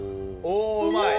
おうまい。